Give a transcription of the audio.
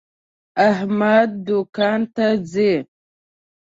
احمد دوکان ته ځي.